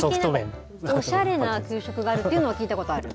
最近、おしゃれな給食があるというのは聞いたことある。